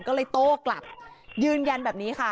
ก็เลยโต้กลับยืนยันแบบนี้ค่ะ